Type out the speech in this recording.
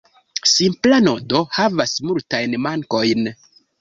Simpla nodo havas multajn mankojn.